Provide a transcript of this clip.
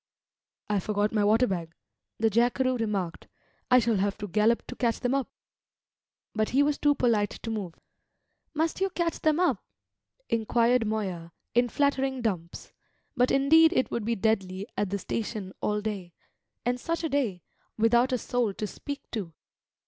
"I forgot my water bag," the jackeroo remarked. "I shall have to gallop to catch them up." But he was too polite to move. "Must you catch them up?" inquired Moya, in flattering dumps: but indeed it would be deadly at the station all day, and such a day, without a soul to speak to!